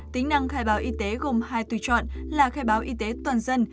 tính năng khai báo y tế gồm hai tùy chọn là khai báo y tế toàn dân